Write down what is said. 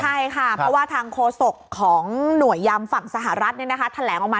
ใช่ค่ะเพราะว่าทางโฆษกของหน่วยยำฝั่งสหรัฐแถลงออกมา